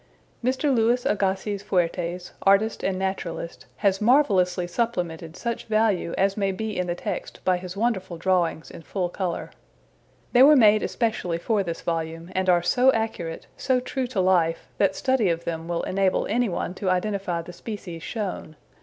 Mr. Louis Agassiz Fuertes, artist and naturalist, has marvelously supplemented such value as may be in the text by his wonderful drawings in full color. They were made especially for this volume and are so accurate, so true to life, that study of them will enable any one to identify the species shown.